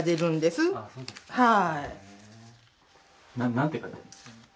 何て書いてあるんですか？